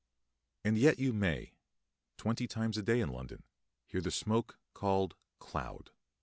And yet you may, twenty times a day in London, hear the smoke called cloud.